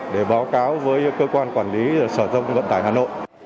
để báo cáo với cơ quan quản lý sở giao thông vận tải hà nội